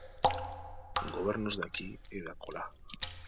Gobernos de aquí e de acolá.